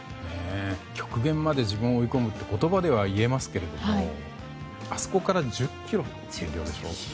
極限まで自分を追い込むって言葉では言えますけどあそこから１０ｋｇの減量でしょ？